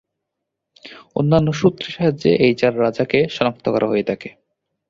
অন্যান্য সূত্রে সাহায্যে এই চার রাজাকে সনাক্ত করা হয়ে থাকে।